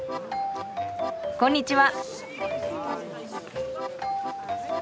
こんにちは。